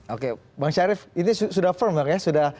oke bang syarif ini sudah firm kan ya